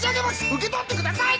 受け取ってください！